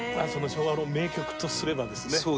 昭和の名曲とすればですね。